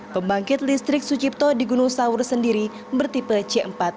pembangkit listrik sucipto di gunung sawur sendiri bertipe c empat dua puluh empat